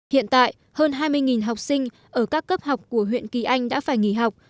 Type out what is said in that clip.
hiện tại hơn hai mươi học sinh ở các cấp học của huyện kỳ anh đã phải nghỉ học